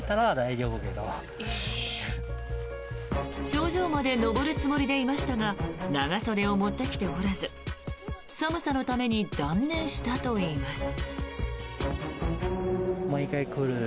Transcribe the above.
頂上まで登るつもりでいましたが長袖を持ってきておらず寒さのために断念したといいます。